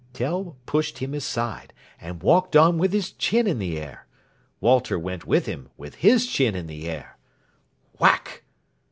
Tell pushed him aside, and walked on with his chin in the air. Walter went with him, with his chin in the air. WHACK!